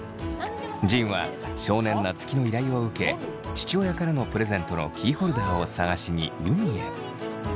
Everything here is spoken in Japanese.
仁は少年夏樹の依頼を受け父親からのプレゼントのキーホルダーを探しに海へ。